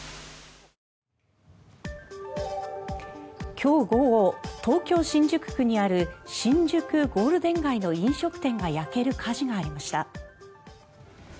今日午後東京・新宿区にある新宿ゴールデン街の飲食店が焼ける火事がありました。